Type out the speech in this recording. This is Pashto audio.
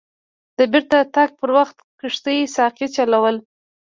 د بیرته تګ پر وخت کښتۍ ساقي چلول.